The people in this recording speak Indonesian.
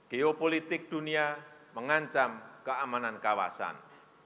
geopolitik dunia mengancam keamanan kawasan